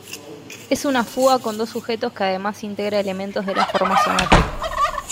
Es una fuga con dos sujetos que además integra elementos de la forma sonata.